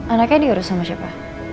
anaknya diurus sama siapa